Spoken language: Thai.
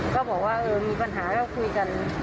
เขาบอกว่ามีปัญหาเราคุยกัน